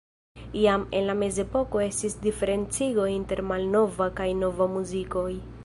Jam en la mezepoko estis diferencigo inter malnova kaj nova muzikoj.